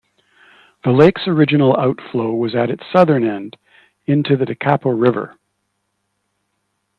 The lake's original outflow was at its southern end, into the Tekapo River.